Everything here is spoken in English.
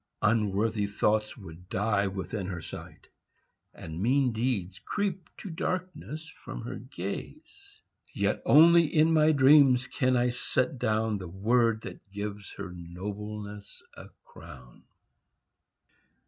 Unworthy thoughts would die within her sight, And mean deeds creep to darkness from her gaze. Yet only in my dreams can I set down The word that gives her nobleness a crown.